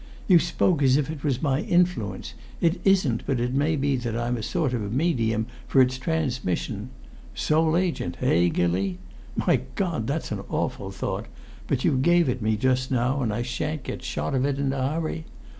You spoke as if it was my influence; it isn't, but it may be that I'm a sort of medium for its transmission! Sole agent, eh, Gilly? My God, that's an awful thought, but you gave it me just now and I sha'n't get shot of it in a hurry!